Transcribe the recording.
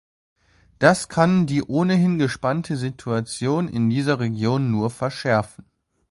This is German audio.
Das kann die ohnehin gespannte Situation in dieser Region nur verschärfen.